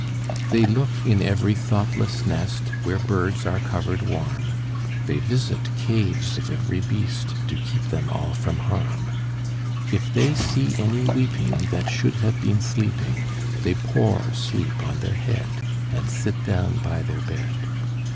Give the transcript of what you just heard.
They look in every thoughtless nest, Where birds are covered warm; They visit caves of every beast, To keep them all from harm; If they see any weeping That should have been sleeping, They pour sleep on their head, And sit down by their bed.